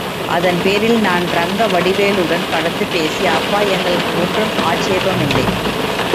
அதன் பேரில் நான் ரங்கவடிவேலுவுடன் கலந்து பேசி, அப்பா, எங்களுக்கு ஒன்றும் ஆட்சேபமில்லை.